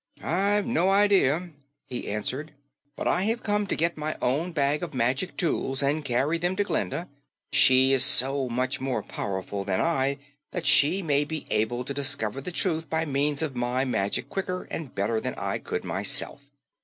"I've no idea," he answered. "But I have come to get my own bag of magic tools and carry them to Glinda. She is so much more powerful than I that she may be able to discover the truth by means of my magic quicker and better than I could myself."